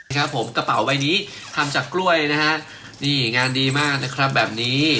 ครับผมกระเป๋าใบนี้ทำจากกล้วยนะฮะนี่งานดีมากนะครับแบบนี้